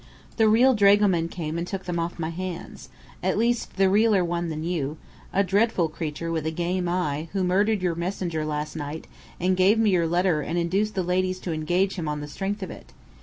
"The real dragoman came and took them off my hands at least the realer one than you a dreadful creature with a game eye, who murdered your messenger last night, and gave me your letter and induced the ladies to engage him on the strength of it.